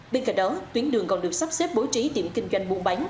bên cạnh đó tuyến đường còn được sắp xếp bố trí điểm kinh doanh buôn bán